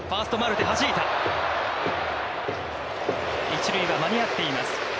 一塁は間に合っています。